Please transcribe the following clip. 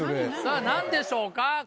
さぁ何でしょうか？